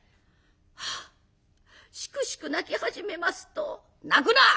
しくしく泣き始めますと「泣くな！